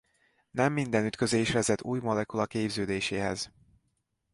Nem minden ütközés vezet új molekula képződéséhez.